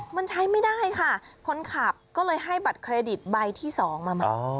มันใช้ไม่ได้ค่ะคนขับก็เลยให้บัตรเครดิตใบที่๒มาใหม่